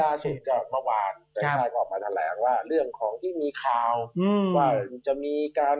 มีราชุดเมื่อวานในไทยก็ออกมาแถลงว่าเรื่องของที่มีข่าว